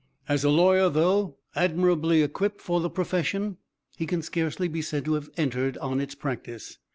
As a lawyer, though admirably equipped for the profession, he can scarcely be said to have entered on its practice.